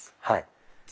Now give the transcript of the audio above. はい。